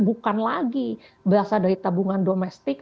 bukan lagi berasal dari tabungan domestik